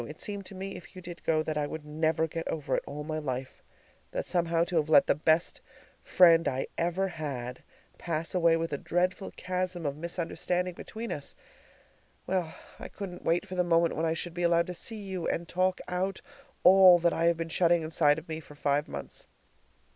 It seemed to me, if you did go, that I would never get over it all my life; that somehow to have let the best friend I ever had pass away with a dreadful chasm of misunderstanding between us well I couldn't wait for the moment when I should be allowed to see you and talk out all that I have been shutting inside me for five months.